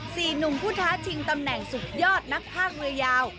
สี่หนุ่มผู้ท้าชิงตำแหน่งสุดยอดนักภาคเรือยาว